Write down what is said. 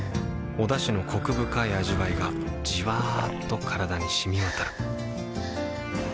おだしのコク深い味わいがじわっと体に染み渡るはぁ。